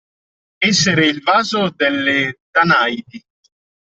Essere il vaso delle Danaidi.